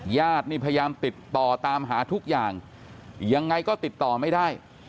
ญาตินี่พยายามติดต่อตามหาทุกอย่างยังไงก็ติดต่อไม่ได้